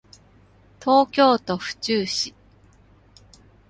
東京都府中市